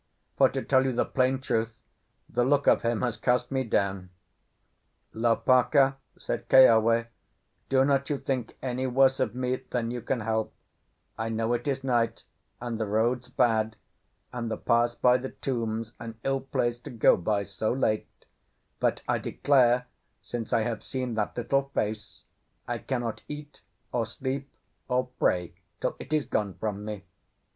For to tell you the plain truth, the look of him has cast me down." "Lopaka," said Keawe, "do not you think any worse of me than you can help; I know it is night, and the roads bad, and the pass by the tombs an ill place to go by so late, but I declare since I have seen that little face, I cannot eat or sleep or pray till it is gone from me.